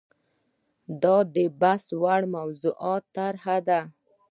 دا د بحث وړ موضوعاتو طرحه ده.